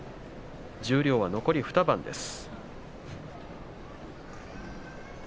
十両は残り２番です。